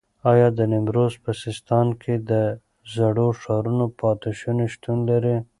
ایا د نیمروز په سیستان کې د زړو ښارونو پاتې شونې شتون لري؟